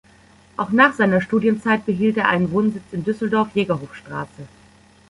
Auch nach seiner Studienzeit behielt er einen Wohnsitz in Düsseldorf, Jägerhofstraße.